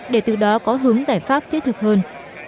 để từ đó có hướng giải pháp thiết thực hơn